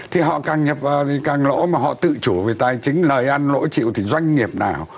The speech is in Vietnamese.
thì họ càng nhập thì càng lỗ mà họ tự chủ về tài chính lời ăn lỗi chịu thì doanh nghiệp nào